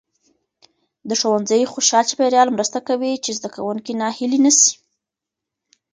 د ښوونځي خوشال چاپیریال مرسته کوي چې زده کوونکي ناهیلي نسي.